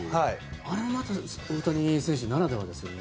あれはまた大谷選手ならではですよね。